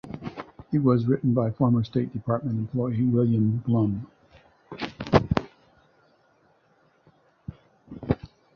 It was written by former State Department employee William Blum.